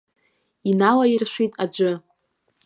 Иналаиршәит аӡәы.